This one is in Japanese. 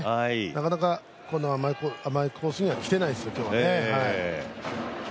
なかなか甘いコースにはきてないですね、今日は。